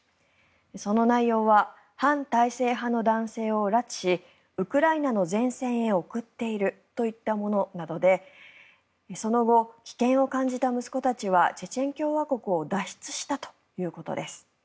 その内容は反体制派の男性を拉致しウクライナの前線へ送っているといったものなどでその後、危険を感じた息子たちはチェチェン共和国を脱出したということです。